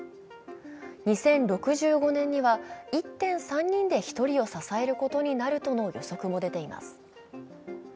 ２０６５年には１．３人で１人を支えることになるとの予測も出ています。